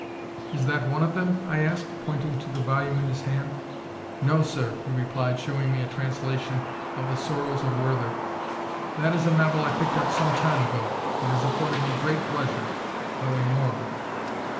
"Is that one of them?" I asked, pointing to the volume in his hand. "No, sir," he replied, showing me a translation of the Sorrows of Werther, "that is a novel I picked up some time ago. It has afforded me great pleasure, though immoral."